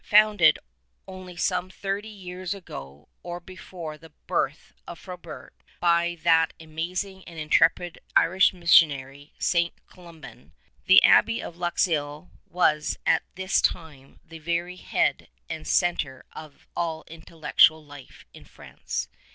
Founded only some thirty years or so before the birth of Frobert, by that amazing and intrepid Irish missionary, St. Columban, the Abbey of Luxeuil was at this time the very head and centre of all intellectual life in France.